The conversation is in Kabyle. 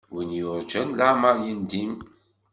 Win yurǧan leεmeṛ yendim.